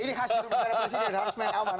ini khas dari presiden harus main aman